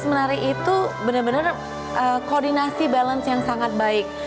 menari itu benar benar koordinasi balance yang sangat baik